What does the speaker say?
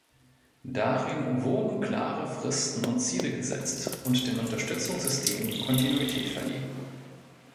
Darin wurden klare Fristen und Ziele gesetzt und den Unterstützungssystemen Kontinuität verliehen.